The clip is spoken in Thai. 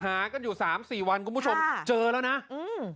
หากันอยู่สามสี่วันคุณผู้ชมค่ะเจอแล้วนะอืม